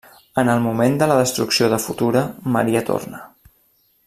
En el moment de la destrucció de Futura, Maria torna.